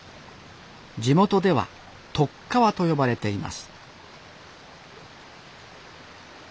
地元では「とっかわ」と呼ばれています